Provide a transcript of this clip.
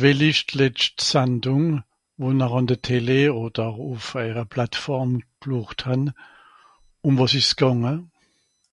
wìll'ìsch d'lescht Sandung won'r an de télé oder ùff eijer Plateforme (plocht) han ùm was esch's gànge